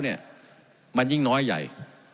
มันยิ่งน้อยใหญ่